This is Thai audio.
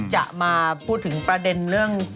จะมาพูดถึงประเด็นเรื่อง